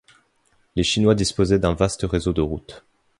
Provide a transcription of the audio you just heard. Les Chinois disposaient d'un vaste réseau de routes.